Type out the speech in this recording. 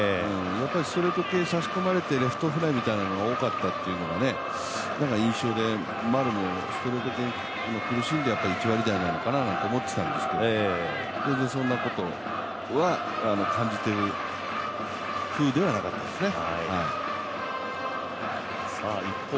ストレート系、差し込まれてレフトフライが多かったっていうのがなんか印象で、丸もストレート系苦しんで１割台なのかなと思っていたんですけど全然そんなことは感じている風ではなかったですね。